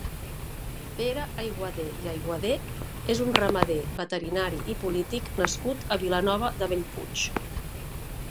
Pere Ayguadé i Ayguadé és un ramader, veterinari i polític nascut a Vilanova de Bellpuig.